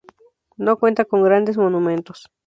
No cuenta con grandes monumentos.